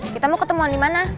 kita mau ketemuan di mana